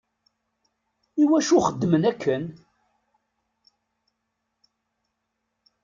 Iwacu xeddmen akken?